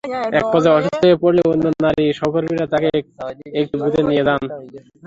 একপর্যায়ে অসুস্থ হয়ে পড়লে অন্য নারী সহকর্মীরা তাঁকে একটি বুথে নিয়ে যান।